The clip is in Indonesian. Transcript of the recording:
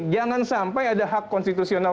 jangan sampai ada hak konstitusional